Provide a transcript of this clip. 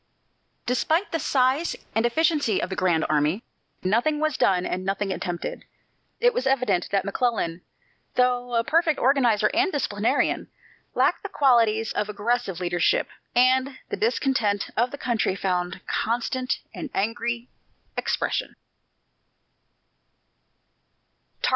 Despite the size and efficiency of the "Grand Army," nothing was done and nothing attempted. It was evident that McClellan, though a perfect organizer and disciplinarian, lacked the qualities of aggressive leadership, and the discontent of the country found constant and angry expression.